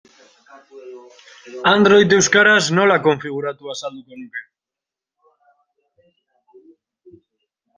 Android euskaraz nola konfiguratu azalduko nuke.